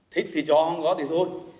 thích thì cho không có thì thôi